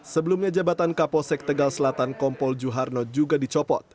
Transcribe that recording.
sebelumnya jabatan kapolsek tegal selatan kompol juharno juga dicopot